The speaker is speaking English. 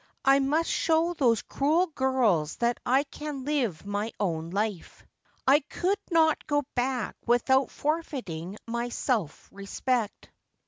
I must show those cruel girls that I can live my own life. 1 could not go back without forfeiting my self respect.'